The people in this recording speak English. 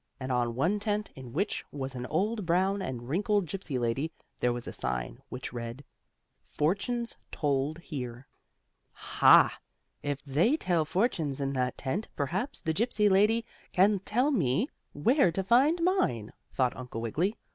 And on one tent, in which was an old brown and wrinkled Gypsy lady, there was a sign which read: FORTUNES TOLD HERE. "Ha! If they tell fortunes in that tent, perhaps the Gypsy lady can tell me where to find mine," thought Uncle Wiggily.